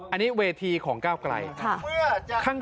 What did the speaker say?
อันนี้เวทีของก้าวไกล